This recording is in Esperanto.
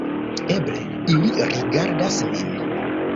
Eble ili rigardas min.